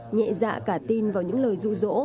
nhẹ dạ cả tin vào những lời rụ rỗ